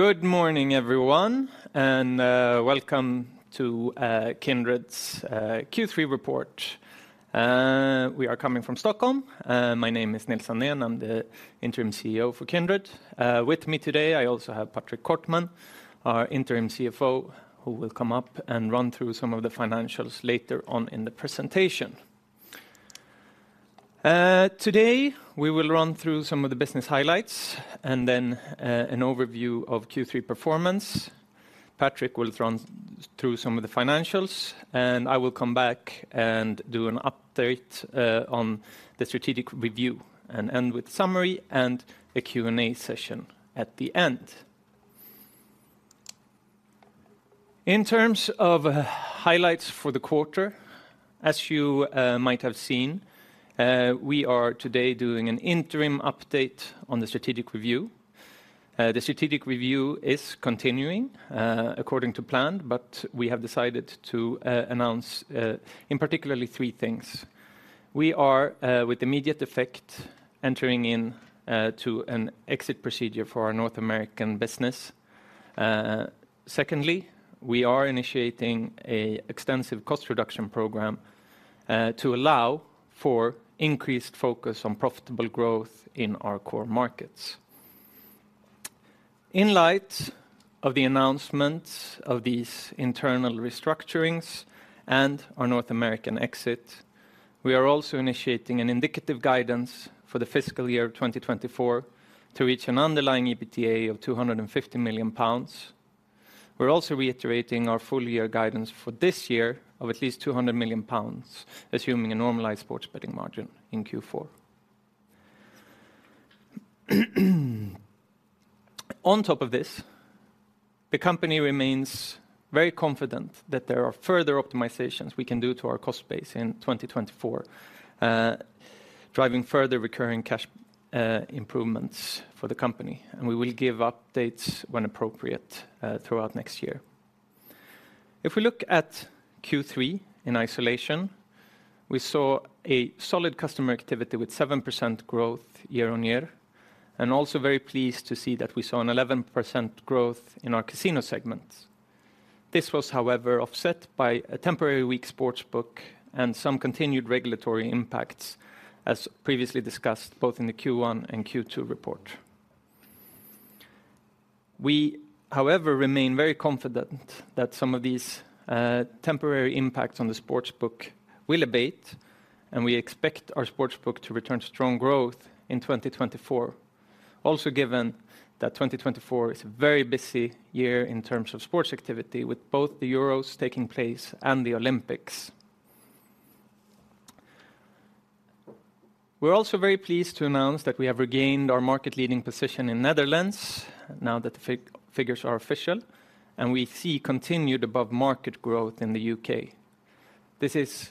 Good morning, everyone, and welcome to Kindred's Q3 report. We are coming from Stockholm. My name is Nils Andén. I'm the Interim CEO for Kindred. With me today, I also have Patrick Kortman, our Interim CFO, who will come up and run through some of the financials later on in the presentation. Today, we will run through some of the business highlights, and then an overview of Q3 performance. Patrick will run through some of the financials, and I will come back and do an update on the strategic review, and end with summary and a Q&A session at the end. In terms of highlights for the quarter, as you might have seen, we are today doing an interim update on the strategic review. The strategic review is continuing according to plan, but we have decided to announce in particular three things. We are, with immediate effect, entering into an exit procedure for our North American business. Secondly, we are initiating an extensive cost reduction program to allow for increased focus on profitable growth in our core markets. In light of the announcements of these internal restructurings and our North American exit, we are also initiating an indicative guidance for the fiscal year of 2024 to reach an underlying EBITDA of 250 million pounds. We're also reiterating our full year guidance for this year of at least 200 million pounds, assuming a normalized sports betting margin in Q4. On top of this, the company remains very confident that there are further optimizations we can do to our cost base in 2024, driving further recurring cash improvements for the company, and we will give updates when appropriate, throughout next year. If we look at Q3 in isolation, we saw a solid customer activity with 7% growth year-on-year, and also very pleased to see that we saw an 11% growth in our casino segment. This was, however, offset by a temporary weak sports book and some continued regulatory impacts, as previously discussed, both in the Q1 and Q2 report. We, however, remain very confident that some of these, temporary impacts on the sports book will abate, and we expect our sports book to return strong growth in 2024. Also, given that 2024 is a very busy year in terms of sports activity, with both the Euros taking place and the Olympics. We're also very pleased to announce that we have regained our market-leading position in Netherlands, now that the figures are official, and we see continued above-market growth in the UK. This is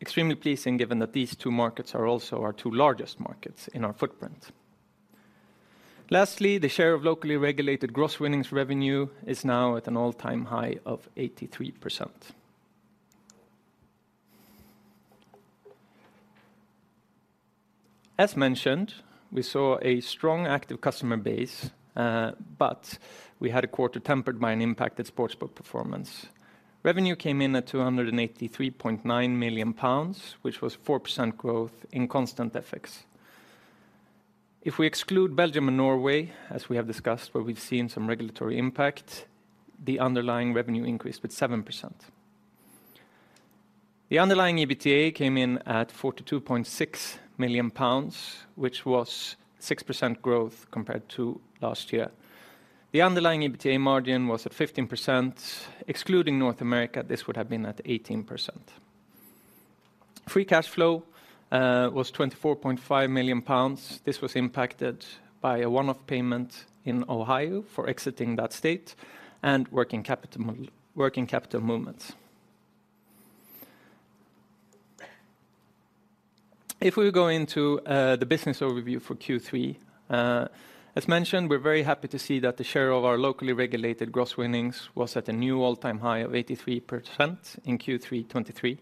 extremely pleasing, given that these two markets are also our two largest markets in our footprint. Lastly, the share of locally regulated gross winnings revenue is now at an all-time high of 83%. As mentioned, we saw a strong active customer base, but we had a quarter tempered by an impacted sports book performance. Revenue came in at 283.9 million pounds, which was 4% growth in constant effects. If we exclude Belgium and Norway, as we have discussed, where we've seen some regulatory impact, the underlying revenue increased with 7%. The underlying EBITDA came in at 42.6 million pounds, which was 6% growth compared to last year. The underlying EBITDA margin was at 15%. Excluding North America, this would have been at 18%. Free cash flow was 24.5 million pounds. This was impacted by a one-off payment in Ohio for exiting that state and working capital movements. If we go into the business overview for Q3, as mentioned, we're very happy to see that the share of our locally regulated gross winnings was at a new all-time high of 83% in Q3 2023.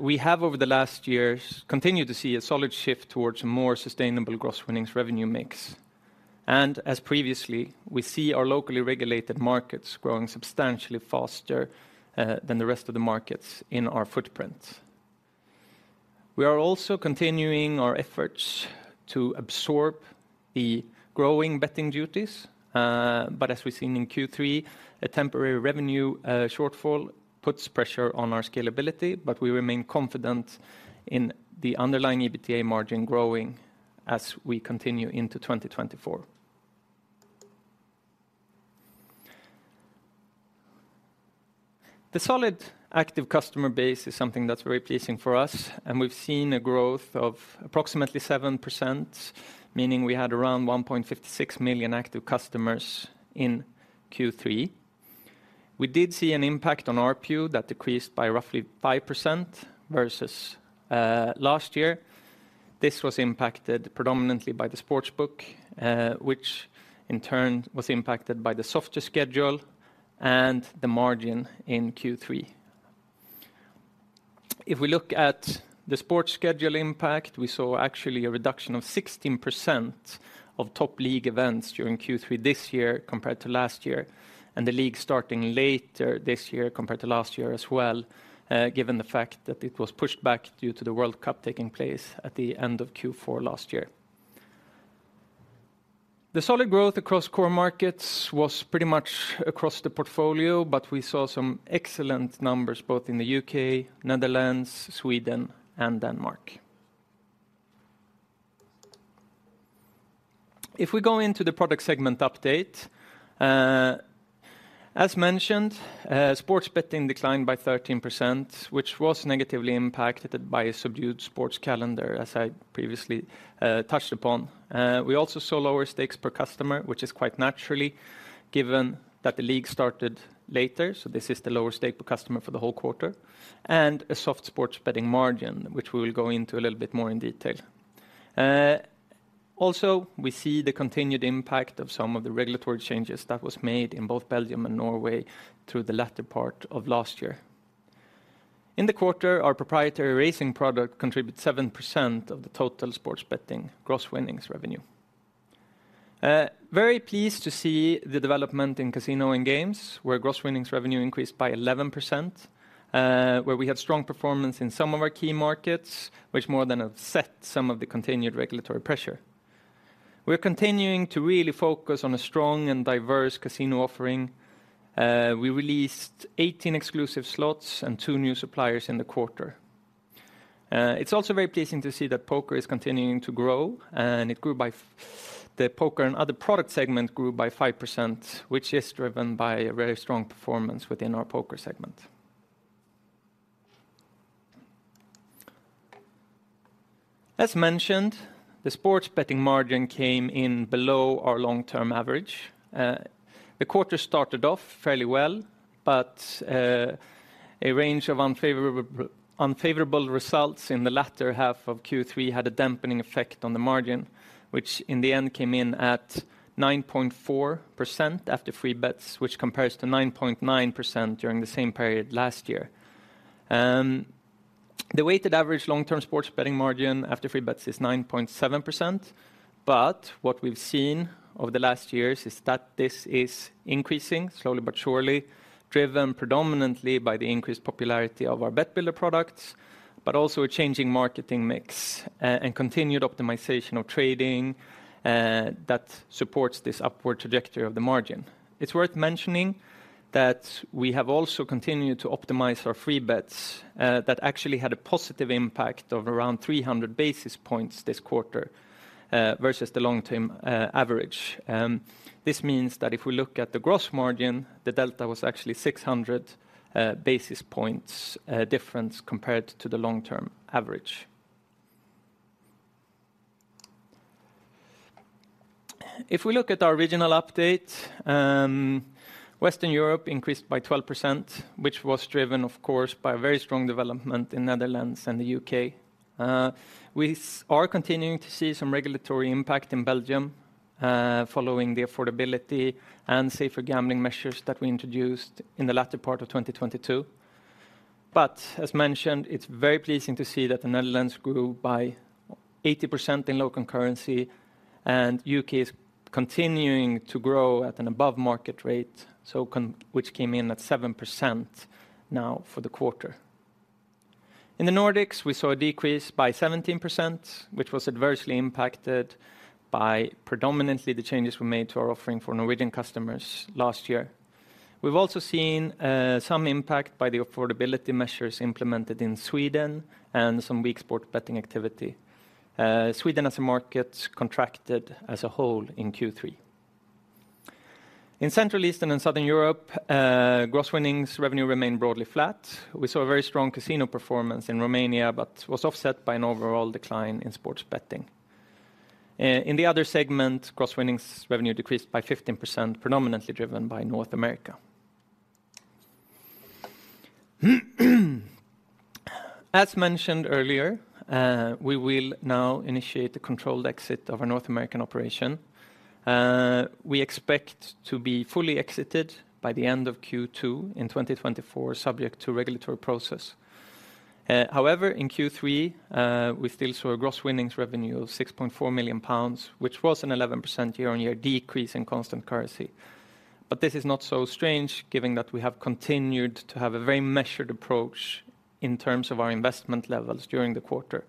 We have, over the last years, continued to see a solid shift towards a more sustainable gross winnings revenue mix. And as previously, we see our locally regulated markets growing substantially faster than the rest of the markets in our footprint. We are also continuing our efforts to absorb the growing betting duties, but as we've seen in Q3, a temporary revenue shortfall puts pressure on our scalability, but we remain confident in the underlying EBITDA margin growing as we continue into 2024. The solid active customer base is something that's very pleasing for us, and we've seen a growth of approximately 7%, meaning we had around 1.56 million active customers in Q3. We did see an impact on RPU that decreased by roughly 5% versus last year. This was impacted predominantly by the sports book, which in turn was impacted by the softer schedule and the margin in Q3. If we look at the sports schedule impact, we saw actually a reduction of 16% of top league events during Q3 this year compared to last year, and the league starting later this year compared to last year as well, given the fact that it was pushed back due to the World Cup taking place at the end of Q4 last year. The solid growth across core markets was pretty much across the portfolio, but we saw some excellent numbers, both in the U.K., Netherlands, Sweden, and Denmark. If we go into the product segment update, as mentioned, sports betting declined by 13%, which was negatively impacted by a subdued sports calendar, as I previously touched upon. We also saw lower stakes per customer, which is quite naturally, given that the league started later, so this is the lower stake per customer for the whole quarter, and a soft sports betting margin, which we will go into a little bit more in detail. Also, we see the continued impact of some of the regulatory changes that was made in both Belgium and Norway through the latter part of last year. In the quarter, our proprietary racing product contributed 7% of the total sports betting gross winnings revenue. Very pleased to see the development in casino and games, where gross winnings revenue increased by 11%, where we had strong performance in some of our key markets, which more than have set some of the continued regulatory pressure. We're continuing to really focus on a strong and diverse casino offering. We released 18 exclusive slots and two new suppliers in the quarter. It's also very pleasing to see that poker is continuing to grow, and it grew by the poker and other product segment grew by 5%, which is driven by a very strong performance within our poker segment. As mentioned, the sports betting margin came in below our long-term average. The quarter started off fairly well, but a range of unfavorable results in the latter half of Q3 had a dampening effect on the margin, which in the end came in at 9.4% after free bets, which compares to 9.9% during the same period last year. The weighted average long-term sports betting margin after free bets is 9.7%, but what we've seen over the last years is that this is increasing slowly but surely, driven predominantly by the increased popularity of our Bet Builder products, but also a changing marketing mix, and continued optimization of trading, that supports this upward trajectory of the margin. It's worth mentioning that we have also continued to optimize our free bets, that actually had a positive impact of around 300 basis points this quarter, versus the long-term, average. This means that if we look at the gross margin, the delta was actually 600 basis points, difference compared to the long-term average. If we look at our regional update, Western Europe increased by 12%, which was driven, of course, by a very strong development in Netherlands and the U.K.. We are continuing to see some regulatory impact in Belgium, following the affordability and safer gambling measures that we introduced in the latter part of 2022. But as mentioned, it's very pleasing to see that the Netherlands grew by 80% in local currency, and UK is continuing to grow at an above-market rate, which came in at 7% now for the quarter. In the Nordics, we saw a decrease by 17%, which was adversely impacted by predominantly the changes we made to our offering for Norwegian customers last year. We've also seen some impact by the affordability measures implemented in Sweden and some weak sports betting activity. Sweden, as a market, contracted as a whole in Q3. In Central Eastern and Southern Europe, Gross Winnings Revenue remained broadly flat. We saw a very strong casino performance in Romania, but was offset by an overall decline in sports betting. In the other segment, Gross Winnings Revenue decreased by 15%, predominantly driven by North America. As mentioned earlier, we will now initiate the controlled exit of our North American operation. We expect to be fully exited by the end of Q2 in 2024, subject to regulatory process. However, in Q3, we still saw a Gross Winnings Revenue of 6.4 million pounds, which was an 11% year-on-year decrease in constant currency. But this is not so strange, given that we have continued to have a very measured approach in terms of our investment levels during the quarter.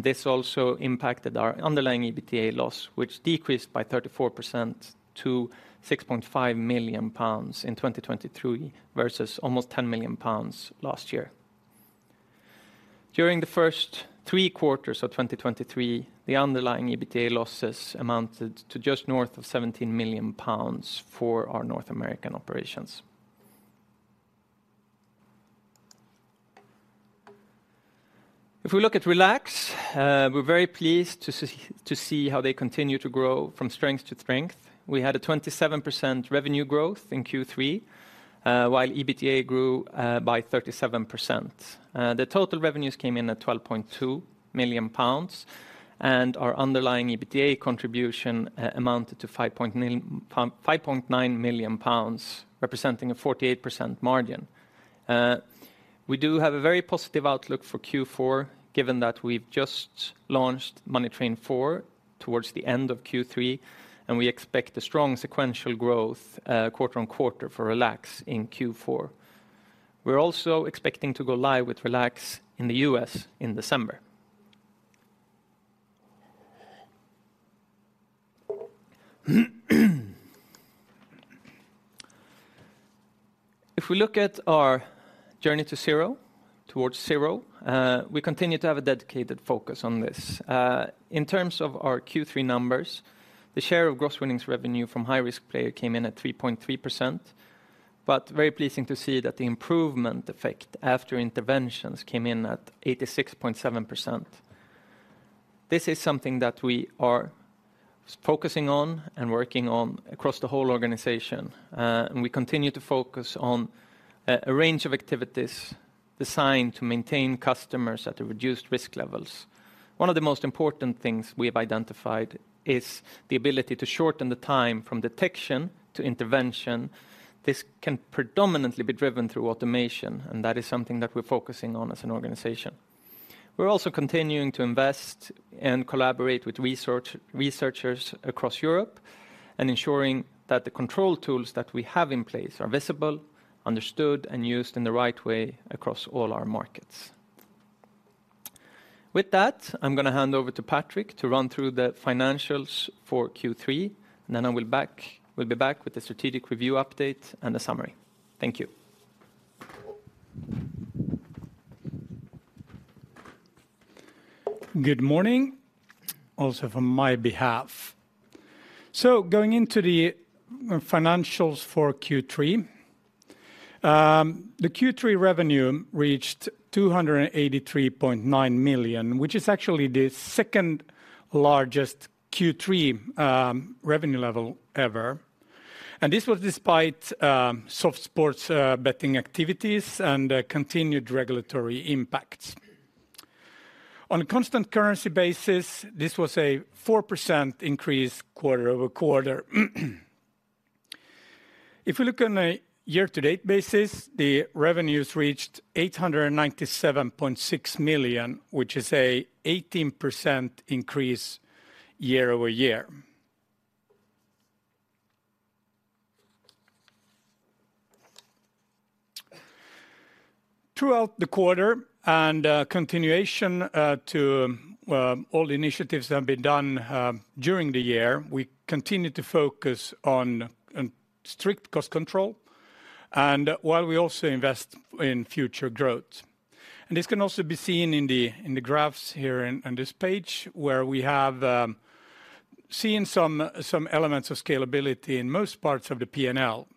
This also impacted our underlying EBITDA loss, which decreased by 34% to 6.5 million pounds in 2023, versus almost 10 million pounds last year. During the first three quarters of 2023, the underlying EBITDA losses amounted to just north of 17 million pounds for our North American operations. If we look at Relax, we're very pleased to see how they continue to grow from strength to strength. We had a 27% revenue growth in Q3, while EBITDA grew by 37%. The total revenues came in at 12.2 million pounds, and our underlying EBITDA contribution amounted to 5.9 million pounds, representing a 48% margin. We do have a very positive outlook for Q4, given that we've just launched Money Train 4 towards the end of Q3, and we expect a strong sequential growth, quarter on quarter for Relax in Q4. We're also expecting to go live with Relax in the U.S. in December. If we look at ourJourney to Zero, towards zero, we continue to have a dedicated focus on this. In terms of our Q3 numbers, the share of gross winnings revenue from high-risk player came in at 3.3%, but very pleasing to see that the improvement effect after interventions came in at 86.7%. This is something that we are focusing on and working on across the whole organization. And we continue to focus on a range of activities designed to maintain customers at the reduced risk levels. One of the most important things we have identified is the ability to shorten the time from detection to intervention. This can predominantly be driven through automation, and that is something that we're focusing on as an organization. We're also continuing to invest and collaborate with researchers across Europe, and ensuring that the control tools that we have in place are visible, understood, and used in the right way across all our markets. With that, I'm gonna hand over to Patrick to run through the financials for Q3, and then we'll be back with a strategic review update and a summary. Thank you. Good morning, also from my behalf. So going into the financials for Q3, the Q3 revenue reached 283.9 million, which is actually the second-largest Q3 revenue level ever. And this was despite soft sports betting activities and continued regulatory impacts. On a constant currency basis, this was a 4% increase quarter-over-quarter. If we look on a year-to-date basis, the revenues reached 897.6 million, which is a 18% increase year-over-year. Throughout the quarter and continuation to all the initiatives that have been done during the year, we continued to focus on strict cost control, and while we also invest in future growth. This can also be seen in the graphs here on this page, where we have seen some elements of scalability in most parts of the P&L.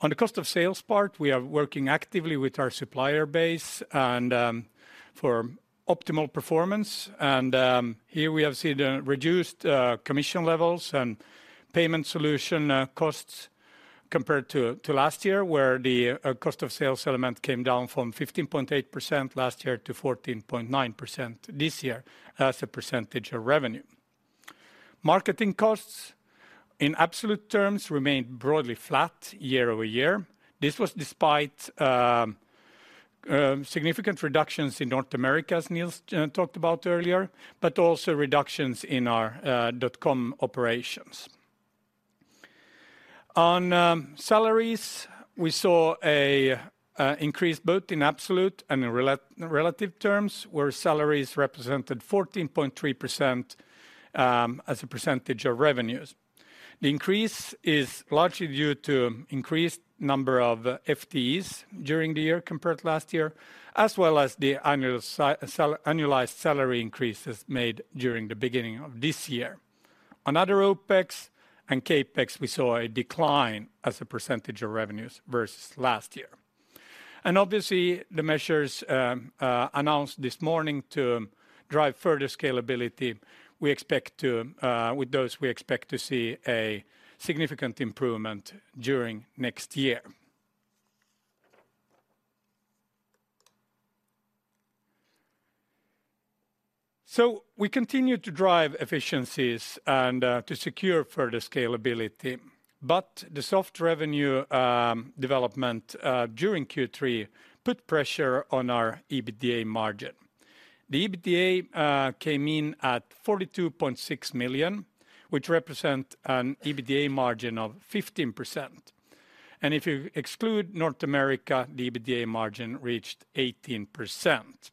On the cost of sales part, we are working actively with our supplier base and for optimal performance. Here we have seen the reduced commission levels and payment solution costs compared to last year, where the cost of sales element came down from 15.8% last year to 14.9% this year, as a percentage of revenue. Marketing costs, in absolute terms, remained broadly flat year-over-year. This was despite significant reductions in North America, as Nils talked about earlier, but also reductions in our dotcom operations. On salaries, we saw an increased both in absolute and in relative terms, where salaries represented 14.3% as a percentage of revenues. The increase is largely due to increased number of FTEs during the year compared to last year, as well as the annualized salary increases made during the beginning of this year. On other OpEx and CapEx, we saw a decline as a percentage of revenues versus last year. And obviously, the measures announced this morning to drive further scalability, we expect to. With those, we expect to see a significant improvement during next year. So we continue to drive efficiencies and to secure further scalability, but the soft revenue development during Q3 put pressure on our EBITDA margin. The EBITDA came in at 42.6 million, which represent an EBITDA margin of 15%. And if you exclude North America, the EBITDA margin reached 18%.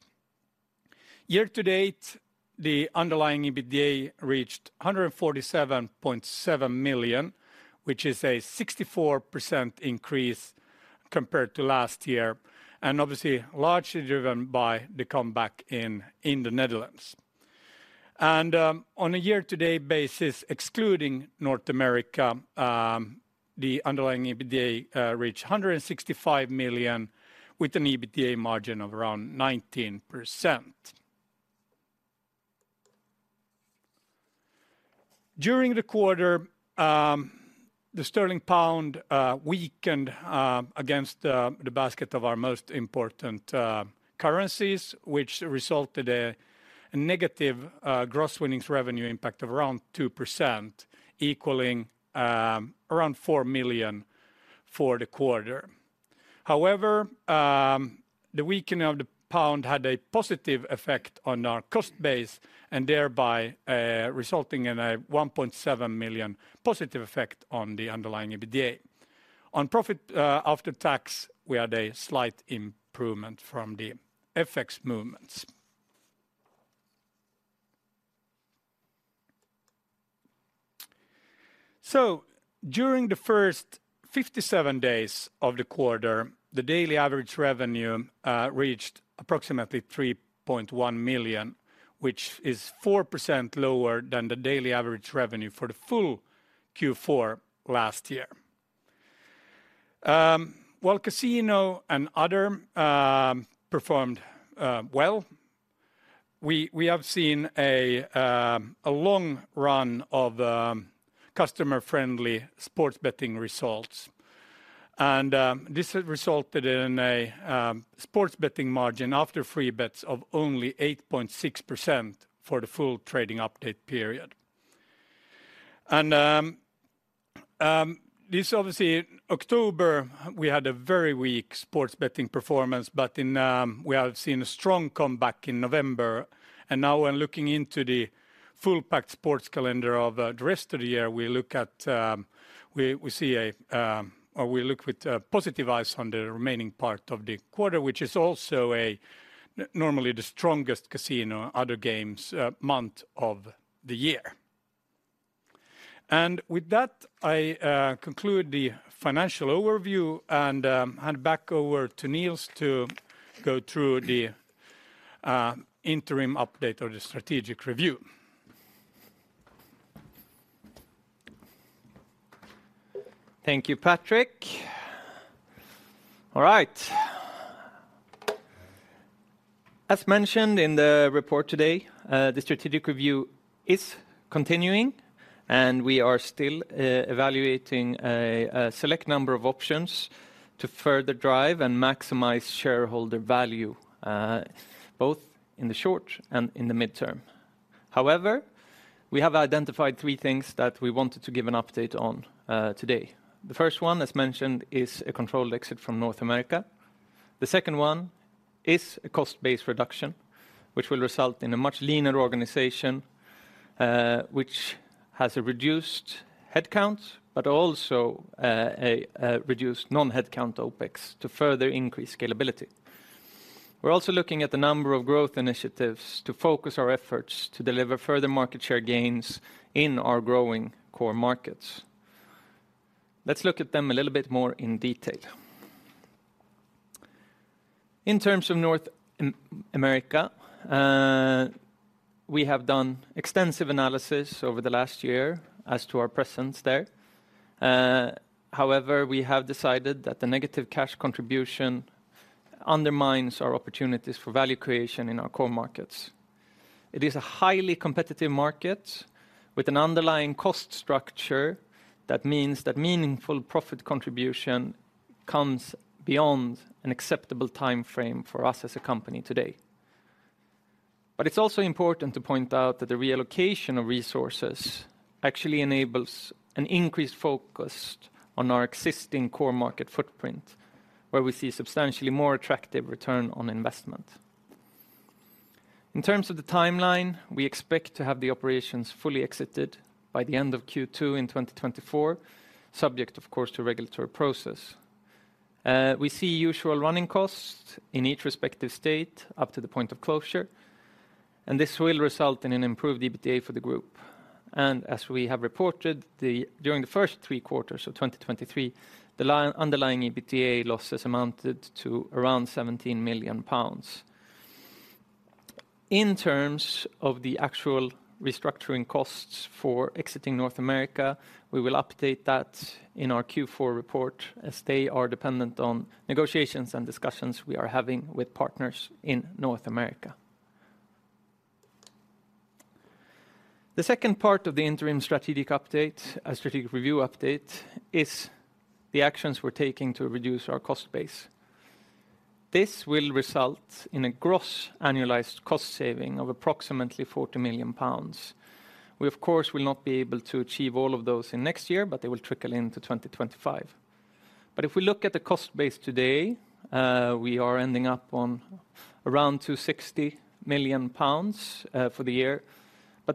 Year to date, the underlying EBITDA reached 147.7 million, which is a 64% increase compared to last year, and obviously, largely driven by the comeback in the Netherlands. On a year-to-date basis, excluding North America, the underlying EBITDA reached 165 million, with an EBITDA margin of around 19%. During the quarter, the sterling pound weakened against the basket of our most important currencies, which resulted a negative gross winnings revenue impact of around 2%, equaling around 4 million for the quarter. However, the weakening of the pound had a positive effect on our cost base, and thereby, resulting in a 1.7 million positive effect on the underlying EBITDA. On profit, after tax, we had a slight improvement from the FX movements. So during the first 57 days of the quarter, the daily average revenue reached approximately 3.1 million, which is 4% lower than the daily average revenue for the full Q4 last year. While casino and other performed well, we have seen a long run of customer-friendly sports betting results. And this has resulted in a sports betting margin after free bets of only 8.6% for the full trading update period. This obviously, October, we had a very weak sports betting performance, but in, we have seen a strong comeback in November. Now we're looking into the full packed sports calendar of, the rest of the year. We look at, we, we see a, or we look with, positive eyes on the remaining part of the quarter, which is also a normally the strongest casino other games, month of the year. With that, I, conclude the financial overview and, hand back over to Nils to go through the, interim update or the strategic review. Thank you, Patrick. All right. As mentioned in the report today, the strategic review is continuing, and we are still evaluating a select number of options to further drive and maximize shareholder value, both in the short and in the midterm. However, we have identified three things that we wanted to give an update on, today. The first one, as mentioned, is a controlled exit from North America. The second one is a cost-based reduction, which will result in a much leaner organization, which has a reduced headcount, but also, a reduced non-headcount OpEx to further increase scalability. We're also looking at the number of growth initiatives to focus our efforts to deliver further market share gains in our growing core markets. Let's look at them a little bit more in detail. In terms of North America, we have done extensive analysis over the last year as to our presence there. However, we have decided that the negative cash contribution undermines our opportunities for value creation in our core markets. It is a highly competitive market with an underlying cost structure. That means that meaningful profit contribution comes beyond an acceptable timeframe for us as a company today. But it's also important to point out that the reallocation of resources actually enables an increased focus on our existing core market footprint, where we see substantially more attractive return on investment. In terms of the timeline, we expect to have the operations fully exited by the end of Q2 in 2024, subject, of course, to regulatory process. We see usual running costs in each respective state up to the point of closure, and this will result in an improved EBITDA for the group. And as we have reported, during the first three quarters of 2023, the underlying EBITDA losses amounted to around 17 million pounds. In terms of the actual restructuring costs for exiting North America, we will update that in our Q4 report, as they are dependent on negotiations and discussions we are having with partners in North America. The second part of the interim strategic update, strategic review update, is the actions we're taking to reduce our cost base. This will result in a gross annualized cost saving of approximately 40 million pounds. We, of course, will not be able to achieve all of those in next year, but they will trickle into 2025. If we look at the cost base today, we are ending up on around 260 million pounds for the year.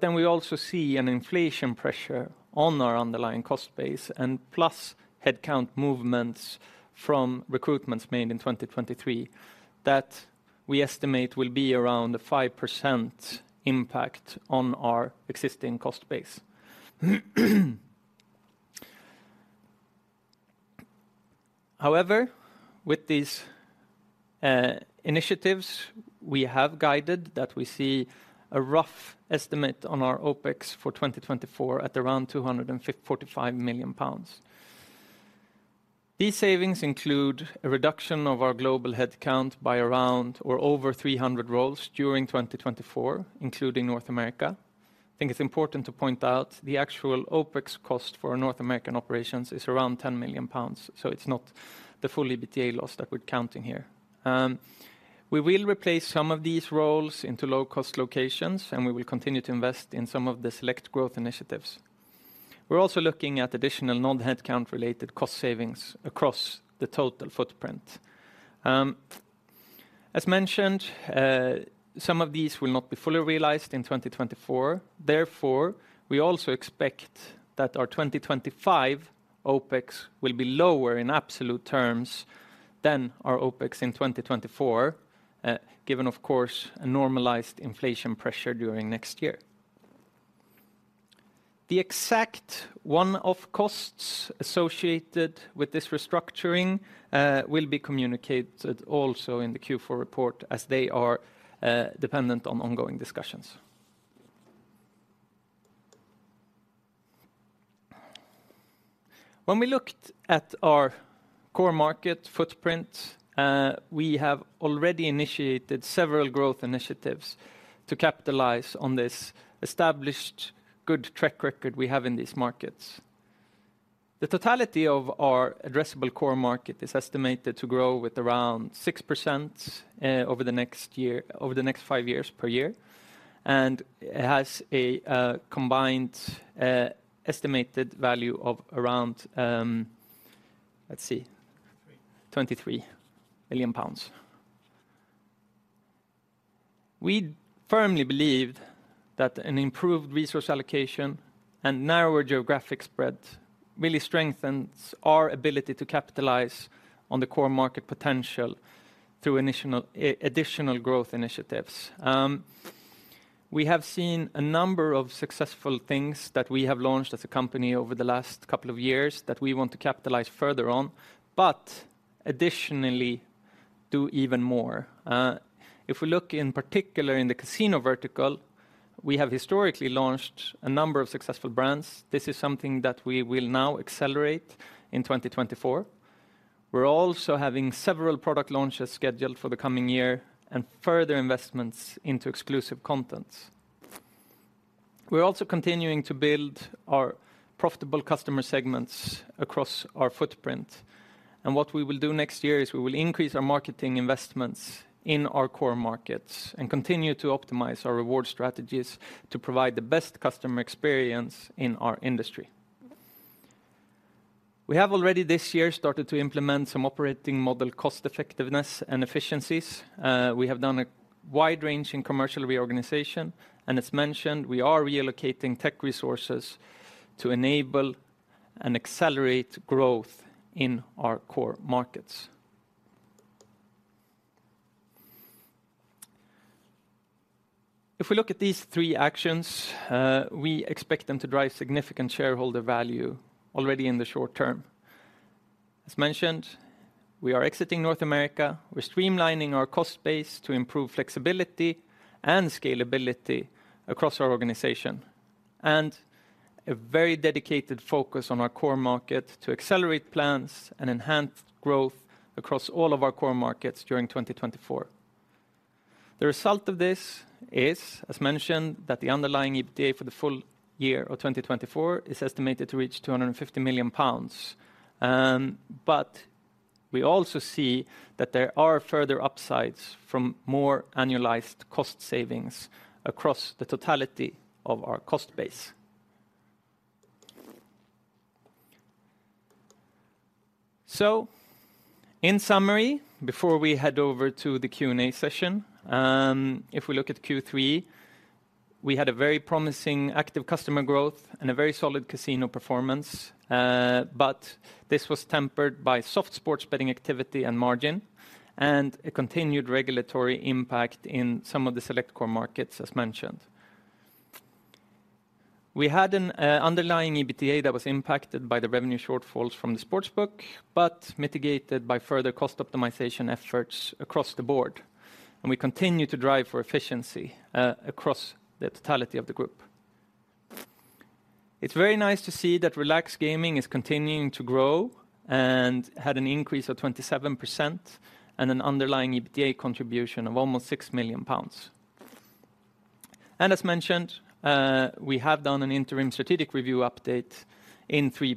Then we also see an inflation pressure on our underlying cost base, and plus headcount movements from recruitments made in 2023, that we estimate will be around a 5% impact on our existing cost base. However, with these initiatives, we have guided that we see a rough estimate on our OpEx for 2024 at around 245 million pounds. These savings include a reduction of our global headcount by around or over 300 roles during 2024, including North America. I think it's important to point out the actual OpEx cost for our North American operations is around 10 million pounds, so it's not the full EBITDA loss that we're counting here. We will replace some of these roles into low-cost locations, and we will continue to invest in some of the select growth initiatives. We're also looking at additional non-headcount related cost savings across the total footprint. As mentioned, some of these will not be fully realized in 2024; therefore, we also expect that our 2025 OpEx will be lower in absolute terms than our OpEx in 2024, given, of course, a normalized inflation pressure during next year. The exact one-off costs associated with this restructuring will be communicated also in the Q4 report as they are dependent on ongoing discussions. When we looked at our core market footprint, we have already initiated several growth initiatives to capitalize on this established good track record we have in these markets. The totality of our addressable core market is estimated to grow with around 6%, over the next five years per year, and it has a combined estimated value of around, let's see, GBP 23 billion. We firmly believe that an improved resource allocation and narrower geographic spread really strengthens our ability to capitalize on the core market potential through additional growth initiatives. We have seen a number of successful things that we have launched as a company over the last couple of years that we want to capitalize further on, but additionally, do even more. If we look in particular in the casino vertical, we have historically launched a number of successful brands. This is something that we will now accelerate in 2024. We're also having several product launches scheduled for the coming year and further investments into exclusive content. We're also continuing to build our profitable customer segments across our footprint, and what we will do next year is we will increase our marketing investments in our core markets and continue to optimize our reward strategies to provide the best customer experience in our industry. We have already this year started to implement some operating model cost effectiveness and efficiencies. We have done a wide-ranging commercial reorganization, and as mentioned, we are reallocating tech resources to enable and accelerate growth in our core markets. If we look at these three actions, we expect them to drive significant shareholder value already in the short term. As mentioned, we are exiting North America. We're streamlining our cost base to improve flexibility and scalability across our organization, and a very dedicated focus on our core market to accelerate plans and enhance growth across all of our core markets during 2024. The result of this is, as mentioned, that the underlying EBITDA for the full year of 2024 is estimated to reach 250 million pounds. But we also see that there are further upsides from more annualized cost savings across the totality of our cost base. So in summary, before we head over to the Q&A session, if we look at Q3, we had a very promising active customer growth and a very solid casino performance, but this was tempered by soft sports betting activity and margin, and a continued regulatory impact in some of the select core markets, as mentioned. We had an underlying EBITDA that was impacted by the revenue shortfalls from the sports book, but mitigated by further cost optimization efforts across the board, and we continue to drive for efficiency across the totality of the group. It's very nice to see that Relax Gaming is continuing to grow and had an increase of 27% and an underlying EBITDA contribution of almost 6 million pounds. And as mentioned, we have done an interim strategic review update in three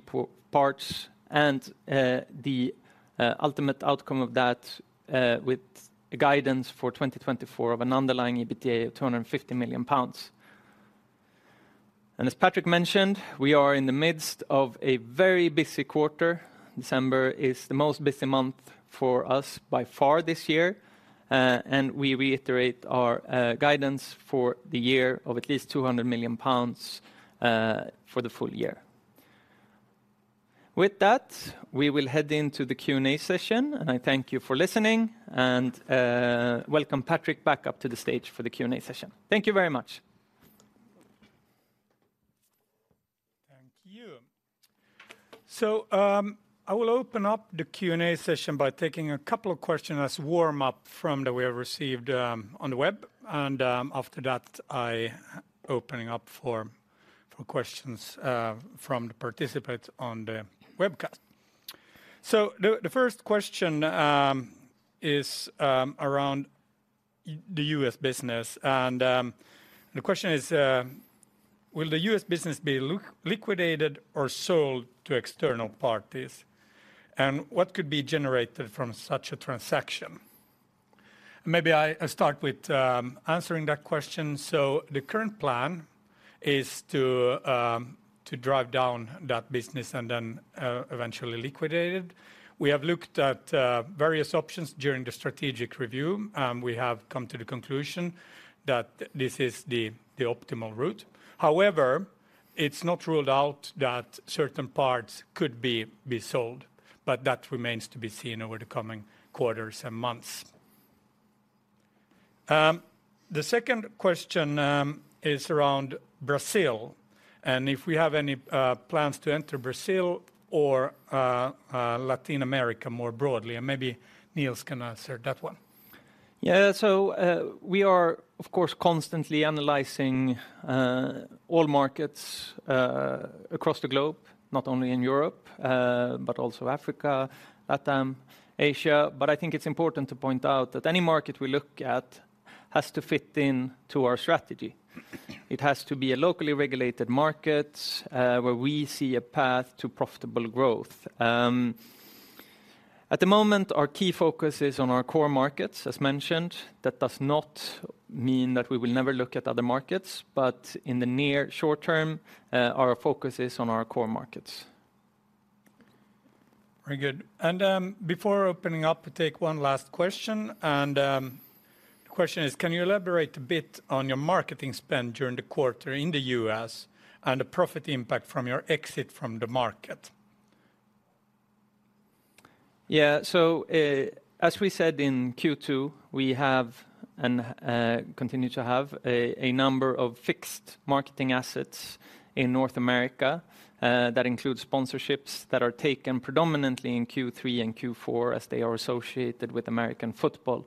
parts, and the ultimate outcome of that with guidance for 2024 of an underlying EBITDA of 250 million pounds. And as Patrick mentioned, we are in the midst of a very busy quarter. December is the most busy month for us by far this year, and we reiterate our guidance for the year of at least 200 million pounds for the full year. With that, we will head into the Q&A session, and I thank you for listening, and welcome Patrick back up to the stage for the Q&A session. Thank you very much. Thank you. So, I will open up the Q&A session by taking a couple of questions as warm up from that we have received on the web, and after that, I opening up for questions from the participants on the webcast. So the first question is around the U.S. business, and the question is: Will the U.S. business be liquidated or sold to external parties? And what could be generated from such a transaction? Maybe I start with answering that question. So the current plan is to drive down that business and then eventually liquidate it. We have looked at various options during the strategic review, and we have come to the conclusion that this is the optimal route. However, it's not ruled out that certain parts could be sold, but that remains to be seen over the coming quarters and months. The second question is around Brazil, and if we have any plans to enter Brazil or Latin America more broadly, and maybe Nils can answer that one. Yeah. So, we are, of course, constantly analyzing all markets across the globe, not only in Europe, but also Africa, LATAM, Asia. But I think it's important to point out that any market we look at has to fit in to our strategy. It has to be a locally regulated market, where we see a path to profitable growth. At the moment, our key focus is on our core markets, as mentioned. That does not mean that we will never look at other markets, but in the near short term, our focus is on our core markets. Very good. And, before opening up, we take one last question, and, the question is: Can you elaborate a bit on your marketing spend during the quarter in the U.S. and the profit impact from your exit from the market? Yeah. So, as we said in Q2, we have and continue to have a number of fixed marketing assets in North America. That includes sponsorships that are taken predominantly in Q3 and Q4, as they are associated with American football.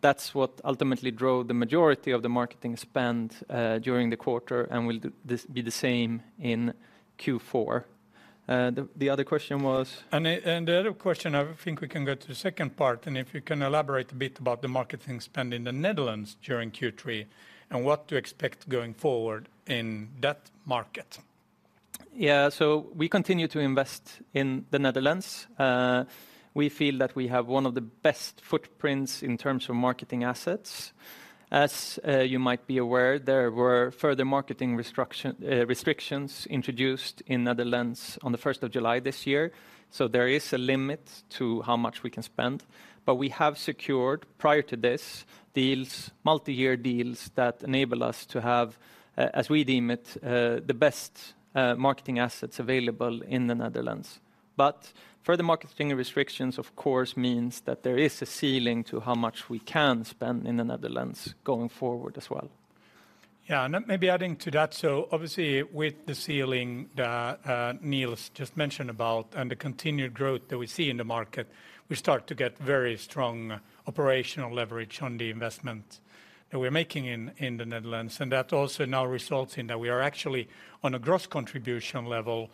That's what ultimately drove the majority of the marketing spend during the quarter and will be the same in Q4. The other question was? The other question, I think we can go to the second part, and if you can elaborate a bit about the marketing spend in the Netherlands during Q3 and what to expect going forward in that market. Yeah. So we continue to invest in the Netherlands. We feel that we have one of the best footprints in terms of marketing assets. As you might be aware, there were further marketing restrictions introduced in the Netherlands on the 1st of July this year, so there is a limit to how much we can spend. But we have secured, prior to this, deals, multi-year deals, that enable us to have, as we deem it, the best marketing assets available in the Netherlands. But further marketing restrictions, of course, means that there is a ceiling to how much we can spend in the Netherlands going forward as well. Yeah, and maybe adding to that, so obviously, with the ceiling that Nils just mentioned about and the continued growth that we see in the market, we start to get very strong operational leverage on the investment that we're making in the Netherlands, and that also now results in that we are actually on a gross contribution level.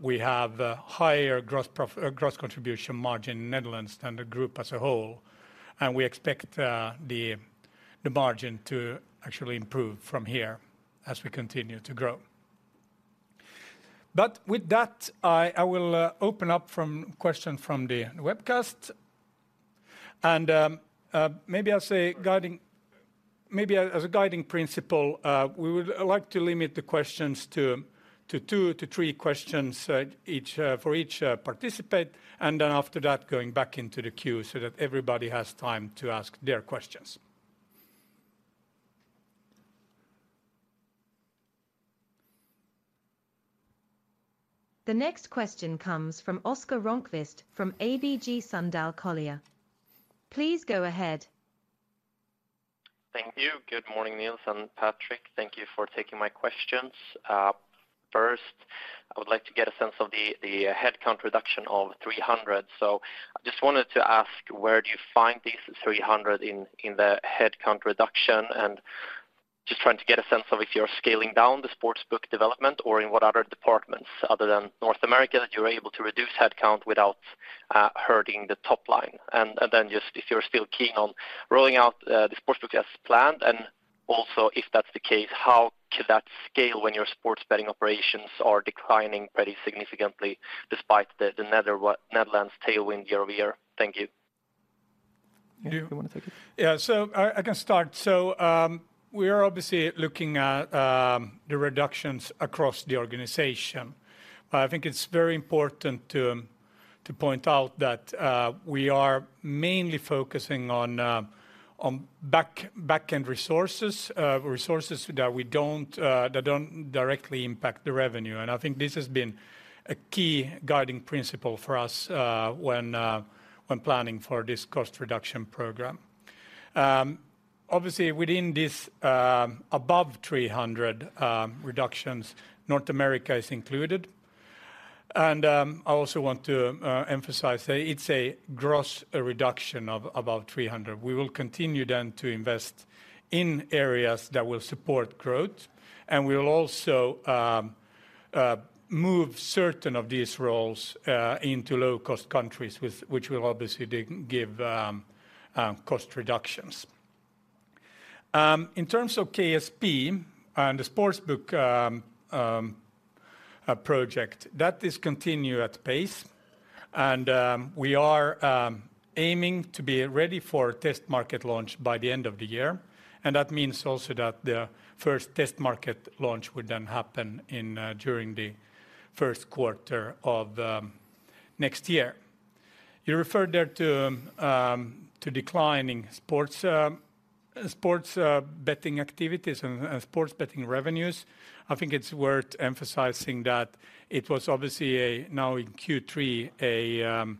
We have a higher gross contribution margin in the Netherlands than the group as a whole, and we expect the margin to actually improve from here as we continue to grow. But with that, I will open up from question from the webcast. And maybe I'll say guiding... Maybe as a guiding principle, we would like to limit the questions to two to three questions each for each participant, and then after that, going back into the queue so that everybody has time to ask their questions. The next question comes from Oscar Rönnqvist from ABG Sundal Collier. Please go ahead. Thank you. Good morning, Nils and Patrick. Thank you for taking my questions. First, I would like to get a sense of the headcount reduction of 300. So I just wanted to ask, where do you find these 300 in the headcount reduction? And just trying to get a sense of if you're scaling down the sportsbook development or in what other departments other than North America that you're able to reduce headcount without hurting the top line. And then just if you're still keen on rolling out the sportsbook as planned, and also, if that's the case, how could that scale when your sports betting operations are declining pretty significantly despite the Netherlands tailwind year over year? Thank you. Do you want to take it? Yeah, so I can start. So, we are obviously looking at the reductions across the organization. But I think it's very important to point out that we are mainly focusing on back-end resources, resources that don't directly impact the revenue. And I think this has been a key guiding principle for us when planning for this cost reduction program. Obviously, within this, above 300 reductions, North America is included. And I also want to emphasize that it's a gross reduction of about 300. We will continue then to invest in areas that will support growth, and we will also move certain of these roles into low-cost countries, which will obviously give cost reductions.... In terms of KSP and the sports book project, that is continue at pace, and we are aiming to be ready for test market launch by the end of the year. And that means also that the first test market launch would then happen in during the first quarter of next year. You referred there to declining sports betting activities and sports betting revenues. I think it's worth emphasizing that it was obviously, now in Q3,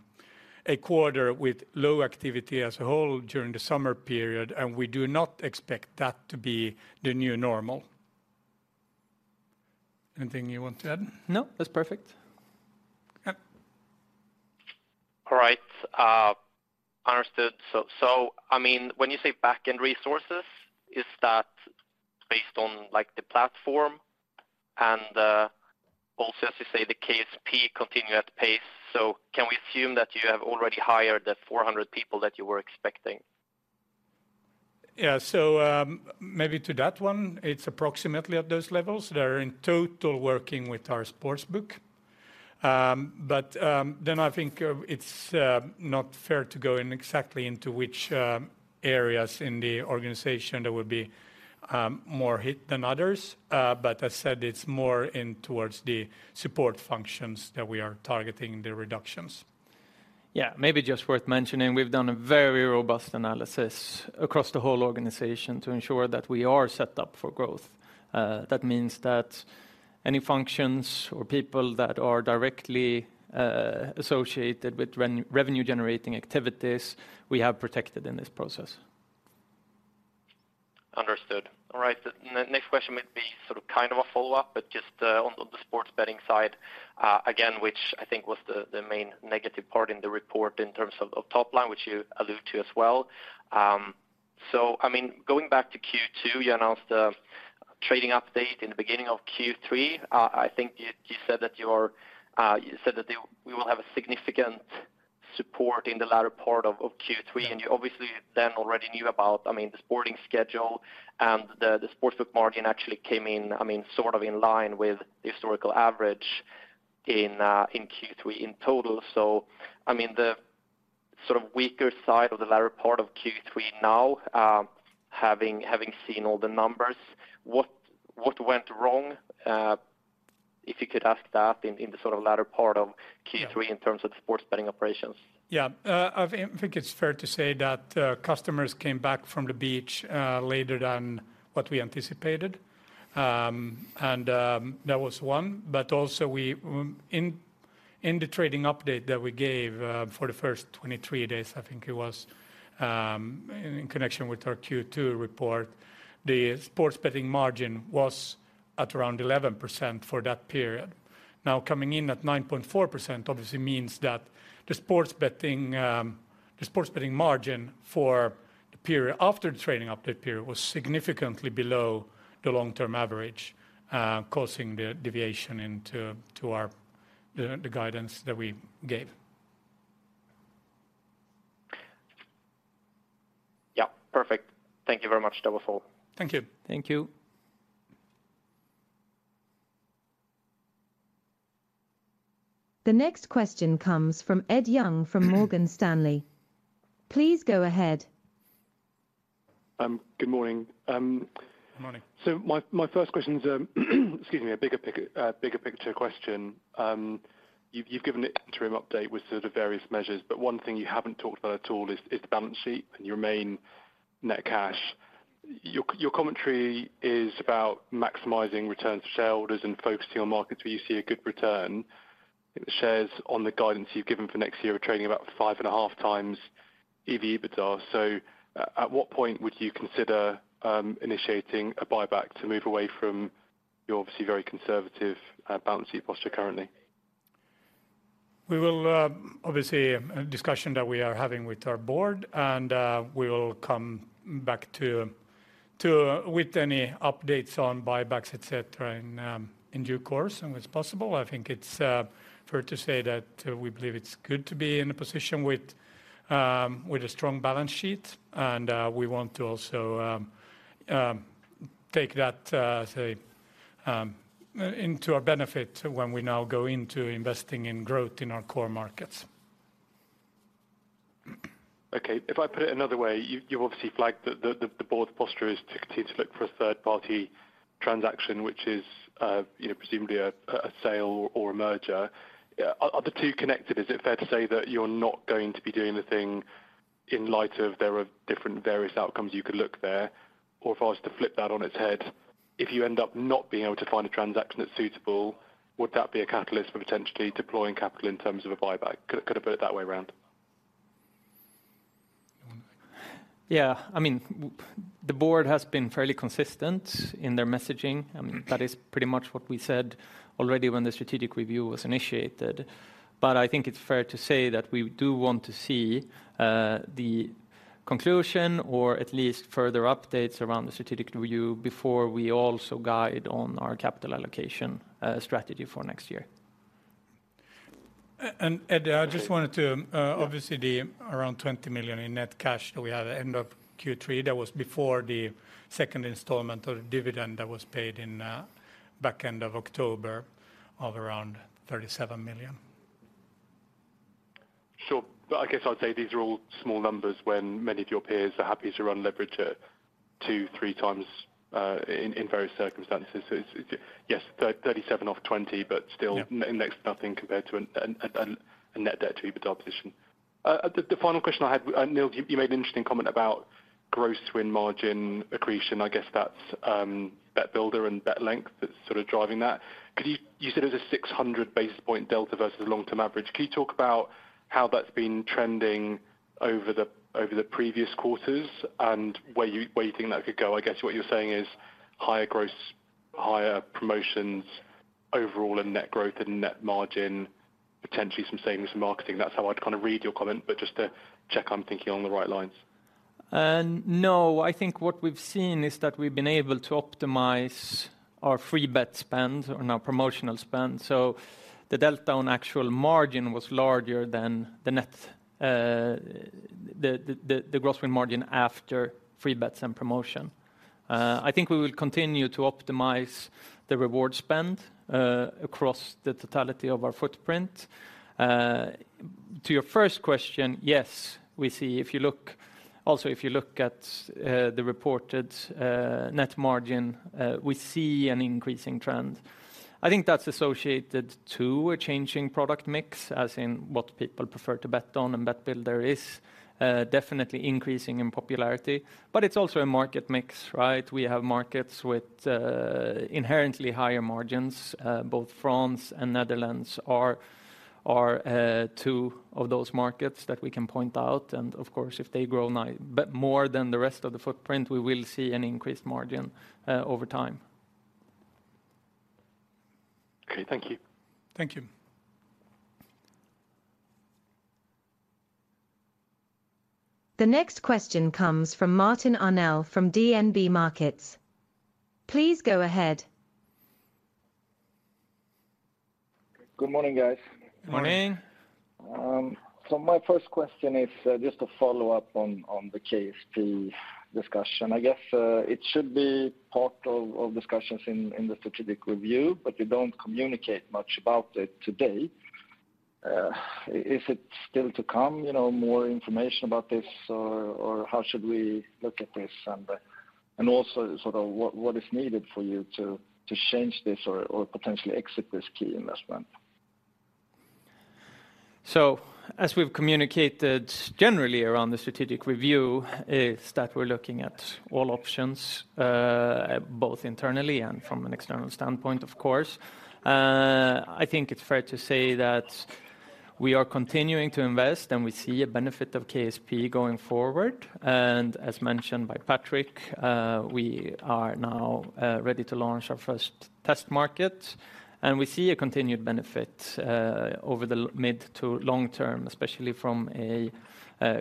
a quarter with low activity as a whole during the summer period, and we do not expect that to be the new normal. Anything you want to add? No, that's perfect. Yep. All right, understood. So, so I mean, when you say back-end resources, is that based on, like, the platform? And, also, as you say, the KSP continue at pace, so can we assume that you have already hired the 400 people that you were expecting? Yeah, so, maybe to that one, it's approximately at those levels. They're in total working with our sportsbook. But, then I think, it's not fair to go in exactly into which areas in the organization that would be more hit than others. But as said, it's more in towards the support functions that we are targeting the reductions. Yeah, maybe just worth mentioning, we've done a very robust analysis across the whole organization to ensure that we are set up for growth. That means that any functions or people that are directly associated with revenue generating activities, we have protected in this process. Understood. All right, the next question might be sort of, kind of a follow-up, but just on the sports betting side, again, which I think was the main negative part in the report in terms of top line, which you alluded to as well. So I mean, going back to Q2, you announced the trading update in the beginning of Q3. I think you said that we will have a significant support in the latter part of Q3, and you obviously then already knew about, I mean, the sporting schedule, and the sports book margin actually came in, I mean, sort of in line with the historical average in Q3 in total. So I mean, the sort of weaker side of the latter part of Q3 now, having seen all the numbers, what went wrong? If you could ask that in the sort of latter part of Q3- Yeah... in terms of sports betting operations. Yeah. I think it's fair to say that customers came back from the beach later than what we anticipated. And in the trading update that we gave for the first 23 days, I think it was, in connection with our Q2 report, the sports betting margin was at around 11% for that period. Now, coming in at 9.4% obviously means that the sports betting the sports betting margin for the period after the trading update period was significantly below the long-term average, causing the deviation into to our the the guidance that we gave. Yeah, perfect. Thank you very much, that was all. Thank you. Thank you. The next question comes from Ed Young, from Morgan Stanley. Please go ahead. Good morning. Good morning. So my first question is, excuse me, a bigger picture question. You've given the interim update with sort of various measures, but one thing you haven't talked about at all is the balance sheet and your main net cash. Your commentary is about maximizing returns to shareholders and focusing on markets where you see a good return. In the shares on the guidance you've given for next year, we're trading about 5.5x EV EBITDA. So, at what point would you consider initiating a buyback to move away from your obviously very conservative balance sheet posture currently? We will obviously have a discussion that we are having with our board, and we will come back to you with any updates on buybacks, et cetera, in due course, and it's possible. I think it's fair to say that we believe it's good to be in a position with a strong balance sheet, and we want to also take that into our benefit when we now go into investing in growth in our core markets. Okay, if I put it another way, you obviously flagged the board's posture is to continue to look for a third-party transaction, which is, you know, presumably a sale or a merger. Are the two connected? Is it fair to say that you're not going to be doing anything in light of there are different various outcomes you could look there? Or if I was to flip that on its head, if you end up not being able to find a transaction that's suitable, would that be a catalyst for potentially deploying capital in terms of a buyback? Could I put it that way around? Yeah. I mean, the board has been fairly consistent in their messaging. That is pretty much what we said already when the strategic review was initiated. But I think it's fair to say that we do want to see the conclusion, or at least further updates around the strategic review before we also guide on our capital allocation strategy for next year. ... And, Eddie, I just wanted to obviously the around 20 million in net cash that we had at the end of Q3, that was before the second installment of the dividend that was paid in back end of October of around 37 million. Sure. But I guess I'd say these are all small numbers when many of your peers are happy to run leverage at 2, 3 times in various circumstances. So it's, yes, 37 off 20, but still- Yeah - next to nothing compared to a net debt to EBITDA position. The final question I had, Nils, you made an interesting comment about gross win margin accretion. I guess that's Bet Builder and Bet length that's sort of driving that. You said it was a 600 basis point delta versus long-term average. Can you talk about how that's been trending over the previous quarters, and where you think that could go? I guess what you're saying is higher gross, higher promotions overall and net growth and net margin, potentially some savings in marketing. That's how I'd kind of read your comment, but just to check, I'm thinking on the right lines. No, I think what we've seen is that we've been able to optimize our free bet spend and our promotional spend. So the delta on actual margin was larger than the net. The gross win margin after free bets and promotion. I think we will continue to optimize the reward spend across the totality of our footprint. To your first question, yes, we see, if you look, also, if you look at the reported net margin, we see an increasing trend. I think that's associated to a changing product mix, as in what people prefer to bet on, and Bet Builder is definitely increasing in popularity, but it's also a market mix, right? We have markets with inherently higher margins. Both France and Netherlands are two of those markets that we can point out. And of course, if they grow in, but more than the rest of the footprint, we will see an increased margin over time. Okay, thank you. Thank you. The next question comes from Martin Arnell from DNB Markets. Please go ahead. Good morning, guys. Morning. Morning. So my first question is just to follow up on the KSP discussion. I guess it should be part of discussions in the strategic review, but you don't communicate much about it today. Is it still to come, you know, more information about this, or how should we look at this? And also, sort of, what is needed for you to change this or potentially exit this key investment? So as we've communicated generally around the strategic review, is that we're looking at all options, both internally and from an external standpoint, of course. I think it's fair to say that we are continuing to invest, and we see a benefit of KSP going forward. And as mentioned by Patrick, we are now ready to launch our first test market, and we see a continued benefit over the mid to long term, especially from a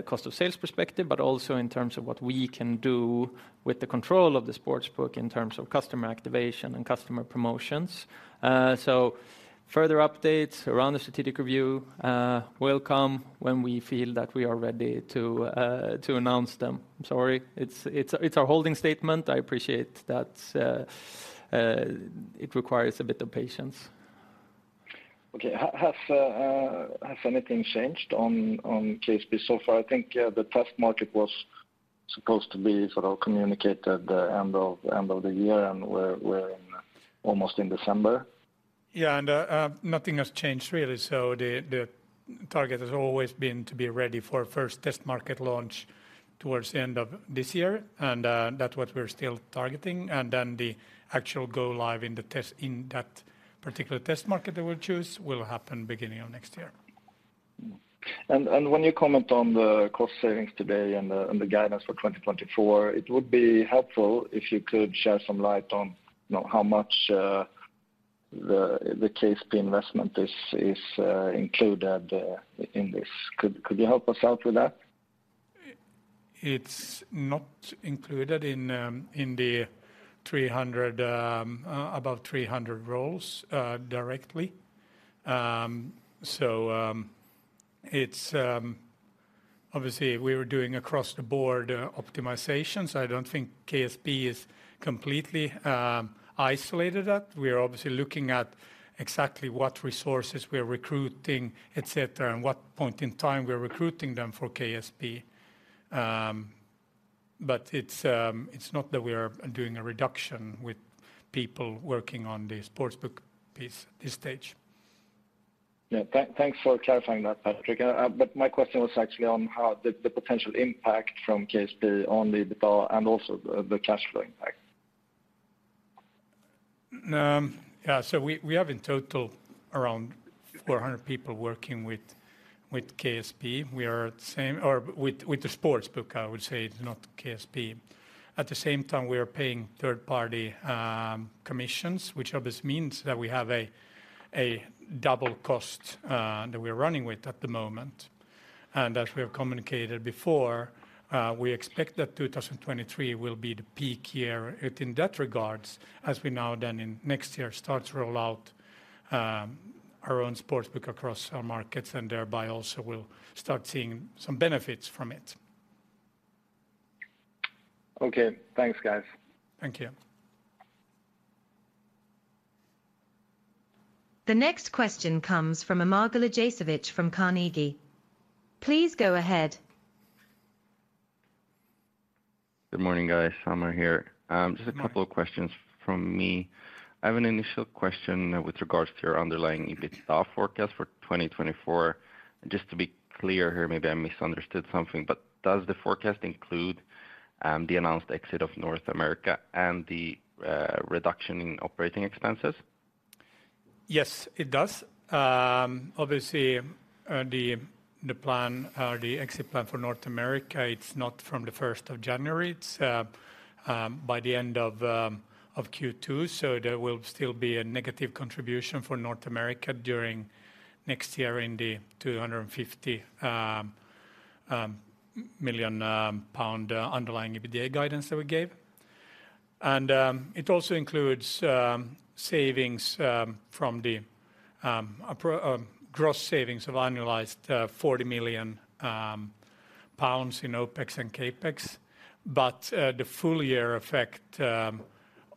cost of sales perspective, but also in terms of what we can do with the control of the sports book, in terms of customer activation and customer promotions. So further updates around the strategic review will come when we feel that we are ready to announce them. Sorry, it's a holding statement. I appreciate that, it requires a bit of patience. Okay. Has anything changed on KSP so far? I think the test market was supposed to be sort of communicated the end of the year, and we're almost in December. Yeah, and nothing has changed, really. So the target has always been to be ready for first test market launch towards the end of this year, and that's what we're still targeting. And then the actual go live in the test, in that particular test market that we'll choose, will happen beginning of next year. When you comment on the cost savings today and the guidance for 2024, it would be helpful if you could shed some light on, you know, how much the KSP investment is included in this. Could you help us out with that? It's not included in the 300, about 300 roles, directly. So, it's... Obviously, we were doing across the board optimizations. I don't think KSP is completely isolated at. We are obviously looking at exactly what resources we are recruiting, et cetera, and what point in time we are recruiting them for KSP. But it's not that we are doing a reduction with people working on the sports book piece at this stage. Yeah. Thanks for clarifying that, Patrick. But my question was actually on how the potential impact from KSP on the EBITDA and also the cash flow impact. Yeah, so we have in total around 400 people working with KSP. We are the same - or with the sportsbook, I would say, not KSP. At the same time, we are paying third-party commissions, which obviously means that we have a double cost that we're running with at the moment. And as we have communicated before, we expect that 2023 will be the peak year in that regard, as we now then in next year start to roll out our own sportsbook across our markets, and thereby also we'll start seeing some benefits from it. Okay, thanks, guys. Thank you. The next question comes from Amar Gajasevich from Carnegie. Please go ahead. Good morning, guys. Amar here. Just a couple of questions from me. I have an initial question with regards to your underlying EBITDA forecast for 2024. Just to be clear here, maybe I misunderstood something, but does the forecast include the announced exit of North America and the reduction in operating expenses? Yes, it does. Obviously, the exit plan for North America, it's not from the first of January. It's by the end of Q2, so there will still be a negative contribution for North America during next year in the 250 million pound underlying EBITDA guidance that we gave. It also includes gross savings of annualized 40 million pounds in OpEx and CapEx. The full year effect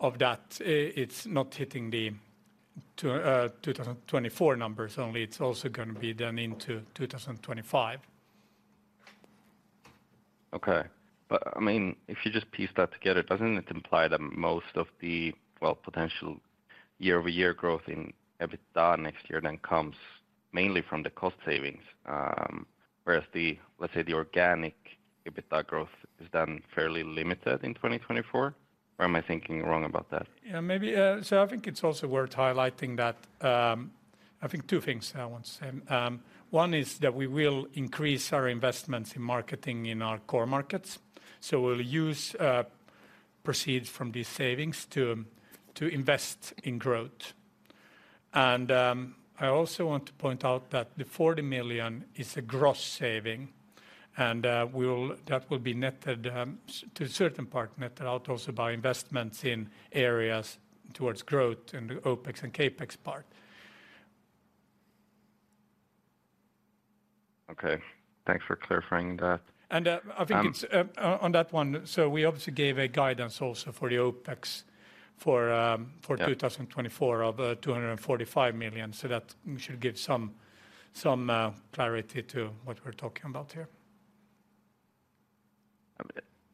of that, it's not hitting the 2024 numbers, only it's also gonna be done into 2025. Okay. But, I mean, if you just piece that together, doesn't it imply that most of the, well, potential year-over-year growth in EBITDA next year then comes mainly from the cost savings, whereas the, let's say, the organic EBITDA growth is then fairly limited in 2024, or am I thinking wrong about that? Yeah, maybe. So I think it's also worth highlighting that, I think two things I want to say. One is that we will increase our investments in marketing in our core markets. So we'll use proceeds from these savings to invest in growth. And I also want to point out that the 40 million is a gross saving, and we will—that will be netted to a certain part, netted out also by investments in areas towards growth in the OpEx and CapEx part. Okay, thanks for clarifying that. I think it's on that one, so we obviously gave a guidance also for the OpEx for, Yeah... for 2024 of 245 million, so that should give some clarity to what we're talking about here.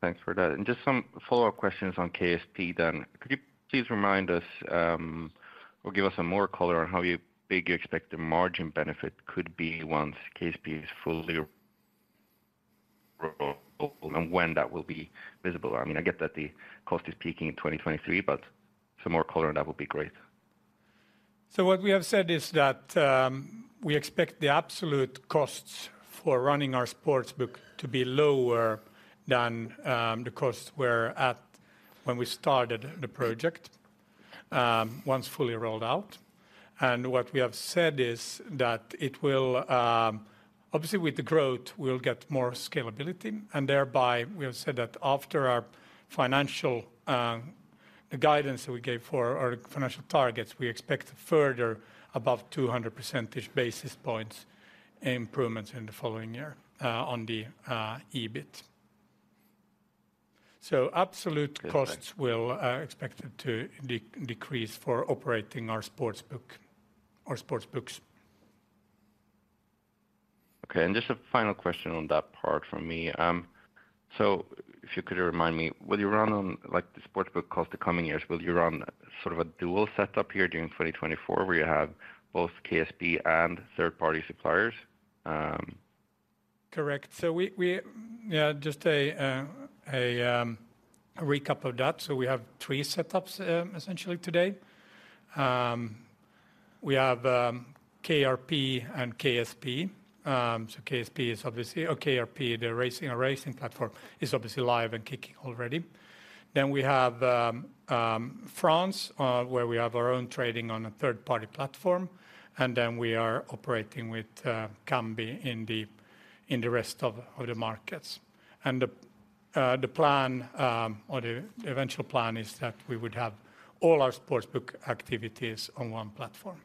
Thanks for that. Just some follow-up questions on KSP then. Could you please remind us, or give us some more color on how you'd expect the margin benefit could be once KSP is fully rolled out, and when that will be visible? I mean, I get that the cost is peaking in 2023, but some more color on that would be great. So what we have said is that we expect the absolute costs for running our sportsbook to be lower than the costs were at when we started the project, once fully rolled out. And what we have said is that it will obviously, with the growth, we'll get more scalability, and thereby, we have said that after our financial, the guidance that we gave for our financial targets, we expect further above 200 percentage basis points improvements in the following year, on the EBIT. So absolute- Perfect... costs will expected to decrease for operating our sportsbook, our sportsbooks. Okay, and just a final question on that part from me. So if you could remind me, will you run on, like, the sportsbook cost the coming years? Will you run sort of a dual setup here during 2024, where you have both KSP and third-party suppliers? Correct. So yeah, just a recap of that. So we have three setups, essentially today. We have KRP and KSP. So KSP is obviously... Or KRP, the racing, our racing platform is obviously live and kicking already. Then we have France, where we have our own trading on a third-party platform, and then we are operating with Kambi in the rest of the markets. And the plan, or the eventual plan is that we would have all our sportsbook activities on one platform.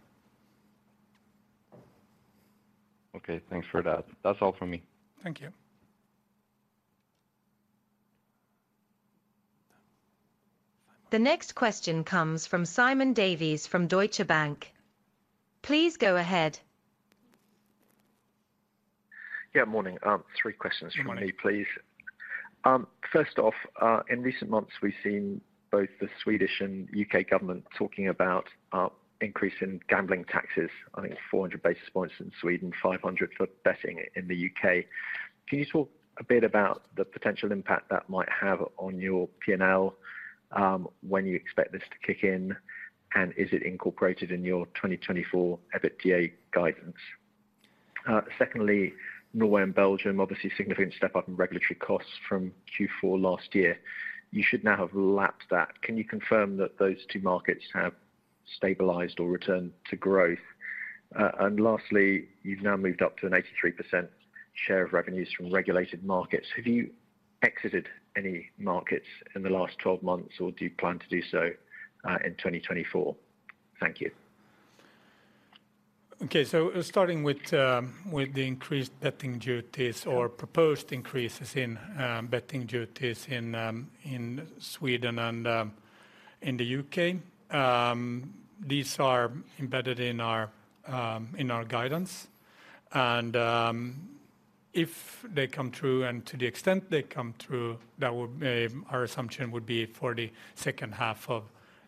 Okay, thanks for that. That's all from me. Thank you. The next question comes from Simon Davies from Deutsche Bank. Please go ahead. Yeah, morning. Three questions from me, please. Morning. First off, in recent months, we've seen both the Swedish and U.K. government talking about increase in gambling taxes, I think 400 basis points in Sweden, 500 for betting in the U.K. Can you talk a bit about the potential impact that might have on your P&L, when you expect this to kick in, and is it incorporated in your 2024 EBITDA guidance? Secondly, Norway and Belgium, obviously, significant step up in regulatory costs from Q4 last year. You should now have lapped that. Can you confirm that those two markets have stabilized or returned to growth? And lastly, you've now moved up to an 83% share of revenues from regulated markets. Have you exited any markets in the last 12 months, or do you plan to do so, in 2024? Thank you. Okay. So starting with the increased betting duties or proposed increases in betting duties in Sweden and in the U.K.. These are embedded in our guidance, and if they come true, and to the extent they come true, that would, our assumption would be for the second half of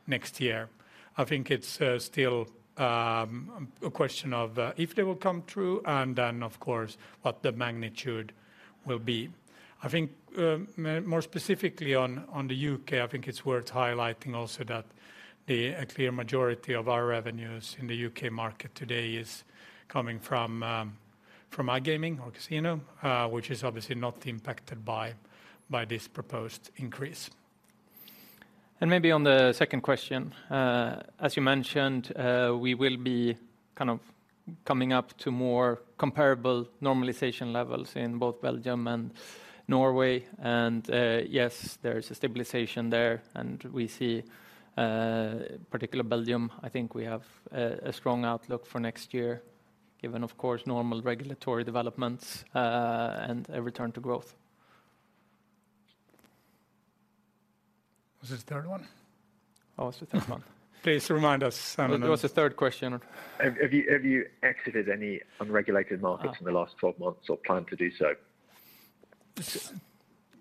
next year. I think it's still a question of if they will come true and then, of course, what the magnitude will be. I think more specifically on the U.K., I think it's worth highlighting also that a clear majority of our revenues in the U.K. market today is coming from iGaming or casino, which is obviously not impacted by this proposed increase. Maybe on the second question, as you mentioned, we will be kind of coming up to more comparable normalization levels in both Belgium and Norway, and yes, there is a stabilization there, and we see particular Belgium. I think we have a strong outlook for next year, given, of course, normal regulatory developments, and a return to growth. What's the third one? Oh, what's the third one? Please remind us, Simon. What was the third question? Have you exited any unregulated markets? Ah. in the last 12 months or plan to do so?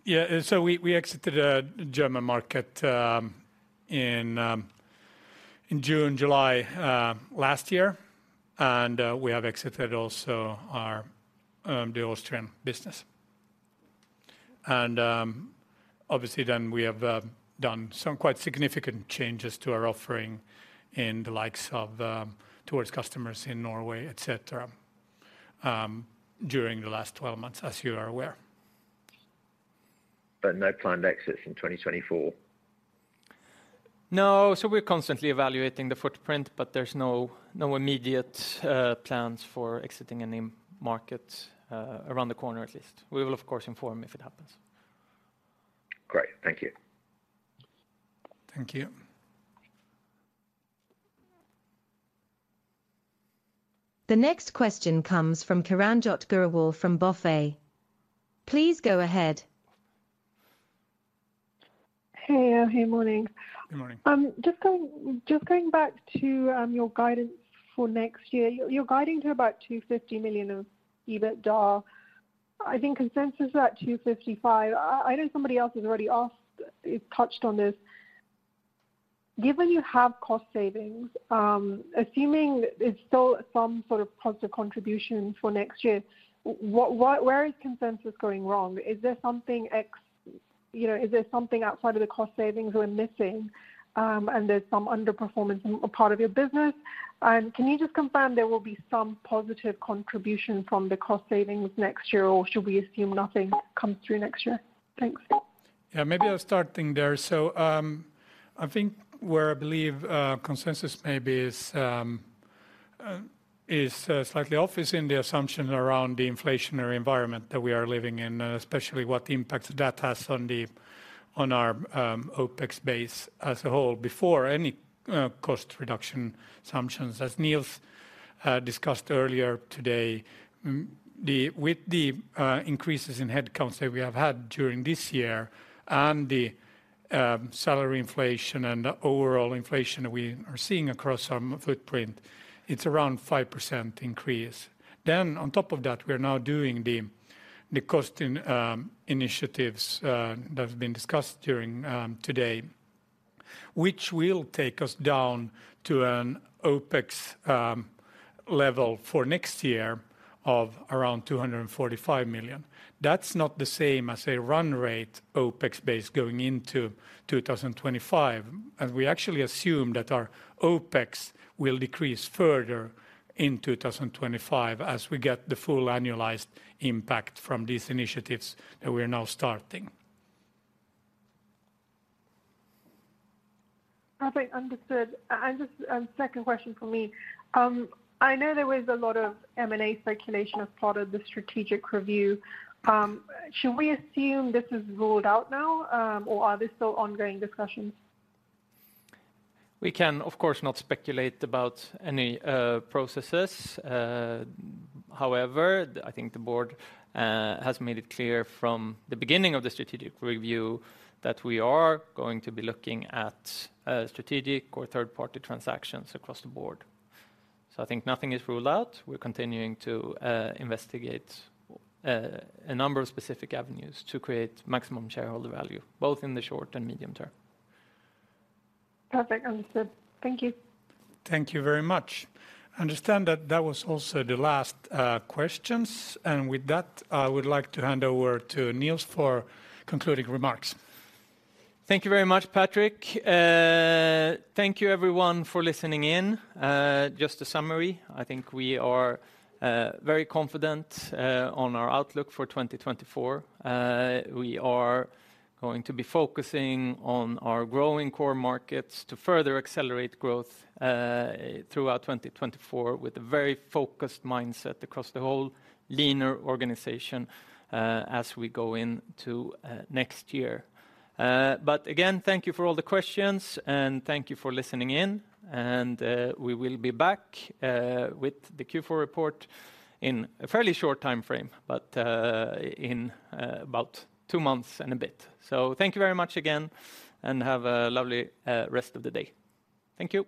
Yeah, so we exited the German market in June-July last year, and we have exited also our Austrian business. Obviously then, we have done some quite significant changes to our offering in the likes of towards customers in Norway, etc., during the last 12 months, as you are aware. No planned exits in 2024? No. So we're constantly evaluating the footprint, but there's no, no immediate plans for exiting any market, around the corner, at least. We will, of course, inform if it happens. Great. Thank you. Thank you. The next question comes from Kiranjot Grewal from BofA. Please go ahead. Hey, morning. Good morning. Just going back to your guidance for next year. You're guiding to about 250 million of EBITDA. I think consensus is at 255. I know somebody else has already asked, touched on this. Given you have cost savings, assuming there's still some sort of positive contribution for next year, what, where is consensus going wrong? Is there something ex... You know, is there something outside of the cost savings we're missing, and there's some underperformance in a part of your business? And can you just confirm there will be some positive contribution from the cost savings next year, or should we assume nothing comes through next year? Thanks. Yeah, maybe I'll start things there. So, I think where I believe consensus maybe is slightly off is in the assumption around the inflationary environment that we are living in, especially what impact that has on our OpEx base as a whole, before any cost reduction assumptions. As Nils discussed earlier today, with the increases in headcounts that we have had during this year and the salary inflation and the overall inflation we are seeing across our footprint, it's around 5% increase. Then on top of that, we are now doing the cost initiatives that have been discussed during today, which will take us down to an OpEx level for next year of around 245 million. That's not the same as a run rate OpEx base going into 2025, and we actually assume that our OpEx will decrease further in 2025 as we get the full annualized impact from these initiatives that we are now starting. Perfect. Understood. And just, second question for me. I know there was a lot of M&A speculation as part of the strategic review. Should we assume this is ruled out now, or are there still ongoing discussions? We can, of course, not speculate about any processes. However, I think the board has made it clear from the beginning of the strategic review that we are going to be looking at strategic or third-party transactions across the board. So I think nothing is ruled out. We're continuing to investigate a number of specific avenues to create maximum shareholder value, both in the short and medium term. Perfect. Understood. Thank you. Thank you very much. I understand that that was also the last questions, and with that, I would like to hand over to Nils for concluding remarks. Thank you very much, Patrick. Thank you everyone for listening in. Just a summary, I think we are very confident on our outlook for 2024. We are going to be focusing on our growing core markets to further accelerate growth throughout 2024, with a very focused mindset across the whole leaner organization as we go into next year. But again, thank you for all the questions, and thank you for listening in, and we will be back with the Q4 report in a fairly short timeframe, but in about two months and a bit. So thank you very much again, and have a lovely rest of the day. Thank you.